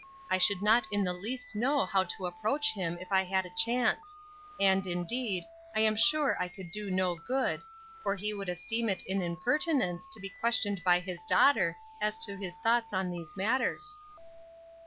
I should not in the least know how to approach him if I had a chance; and, indeed, I am sure I could do no good, for he would esteem it an impertinence to be questioned by his daughter as to his thoughts on these matters."